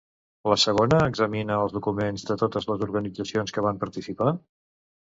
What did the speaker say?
La segona examina els documents de totes les organitzacions que van participar?